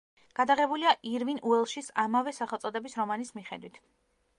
გადაღებულია ირვინ უელშის ამავე სახელწოდების რომანის მიხედვით.